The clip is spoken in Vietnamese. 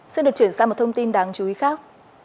xin được chuyển sang một thông tin đáng chú ý khác